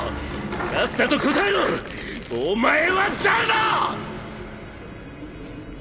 さっさと答えろお前は誰だ‼